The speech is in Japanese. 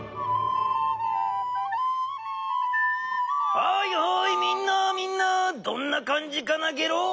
はいはいみんなみんなどんなかんじかなゲロ？